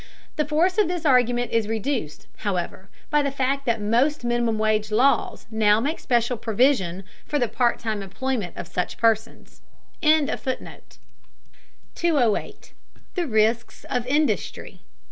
The force of this argument is reduced, however, by the fact that most minimum wage laws now make special provision for the part time employment of such persons.] 208. THE RISKS OF INDUSTRY.